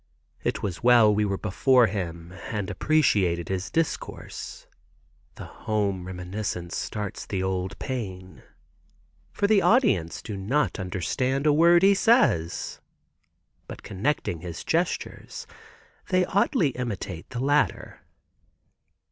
It was well we were before him and appreciated his discourse (the home reminiscence starts the old pain) for the audience do not understand a word he says, but connecting his gestures, they oddly imitate the latter.